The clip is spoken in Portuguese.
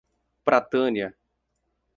Pratânia